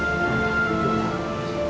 perhatian dan hangat